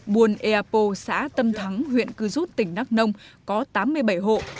buôn eapo xã tâm thắng huyện cư rút tỉnh đắk nông có tám mươi bảy hộ